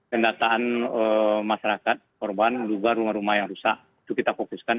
pendataan masyarakat korban juga rumah rumah yang rusak itu kita fokuskan